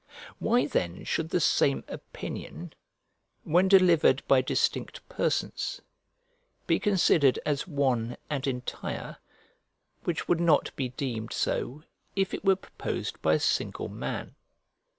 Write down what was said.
Why then should the same opinion, when delivered by distinct persons, be considered as one and entire, which would not be deemed so if it were proposed by a single man?